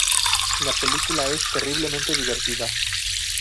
La película es terriblemente divertida".